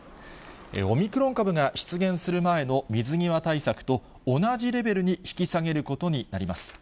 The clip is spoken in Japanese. オミクロン株が出現する前の水際対策と同じレベルに引き下げることになります。